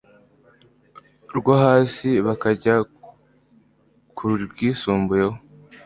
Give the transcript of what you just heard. rwo hasi bakajya ku rwisumbuye